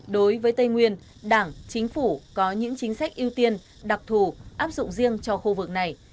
đối với tây nguyên đảng chính phủ có những chính sách ưu tiên đặc thù áp dụng riêng cho khu vực này